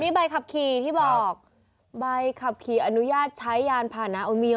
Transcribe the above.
ใบขับขี่ที่บอกใบขับขี่อนุญาตใช้ยานผ่านนาโอมิล